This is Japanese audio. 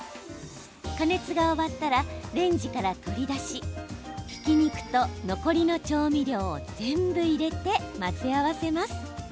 加熱が終わったらレンジから取り出しひき肉と残りの調味料を全部、入れて混ぜ合わせます。